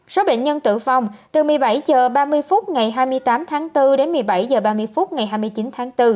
số bệnh nhân tử vong từ một mươi bảy h ba mươi phút ngày hai mươi tám tháng bốn đến một mươi bảy h ba mươi phút ngày hai mươi chín tháng bốn